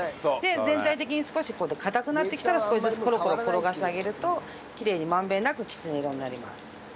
全体的に少し硬くなってきたら少しずつコロコロ転がしてあげるとキレイに満遍なくきつね色になります。